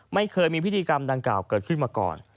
ไม่เคยมีพิธีกรรมดังกล่าวเกิดขึ้นมาก่อน